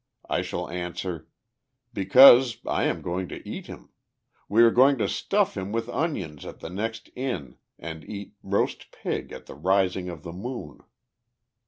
I shall answer, 'Because I am going to eat him. We are going to stuff him with onions at the next inn, and eat roast pig at the rising of the moon.'"